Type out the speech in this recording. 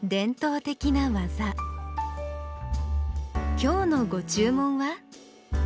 今日のご注文は？